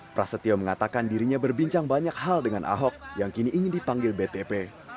prasetyo mengatakan dirinya berbincang banyak hal dengan ahok yang kini ingin dipanggil btp